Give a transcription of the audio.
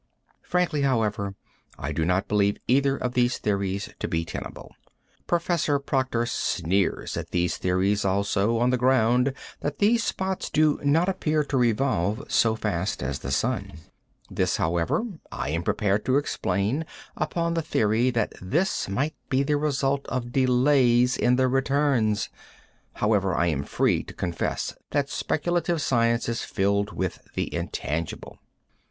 Frankly, however, I do not believe either of these theories to be tenable. Prof. Proctor sneers at these theories also on the ground that these spots do not appear to revolve so fast as the sun. This, however, I am prepared to explain upon the theory that this might be the result of delays in the returns However, I am free to confess that speculative science is filled with the intangible.